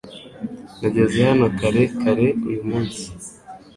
Nageze hano kare kare uyu munsi